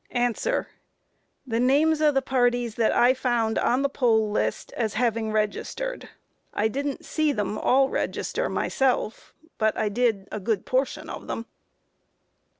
A. The names of the parties that I found on the poll list as having registered; I didn't see them all register myself, but I did a good portion of them.